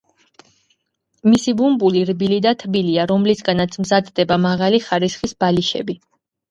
მისი ბუმბული რბილი და თბილია, რომლისგანაც მზადდება მაღალი ხარისხის ბალიშები.